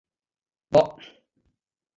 Boh!